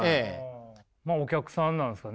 まあお客さんなんですかね。